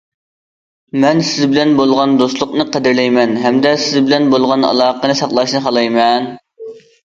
مەن سىز بىلەن بولغان دوستلۇقنى قەدىرلەيمەن، ھەمدە سىز بىلەن بولغان ئالاقىنى ساقلاشنى خالايمەن.